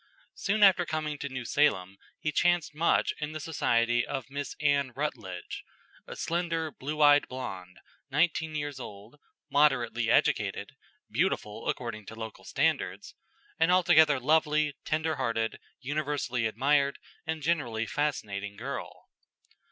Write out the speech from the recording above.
Soon after coming to New Salem he chanced much in the society of Miss Anne Rutledge, a slender, blue eyed blonde, nineteen years old, moderately educated, beautiful according to local standards an altogether lovely, tender hearted, universally admired, and generally fascinating girl.